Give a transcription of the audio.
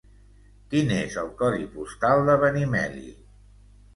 Quin és el codi postal de Benimeli?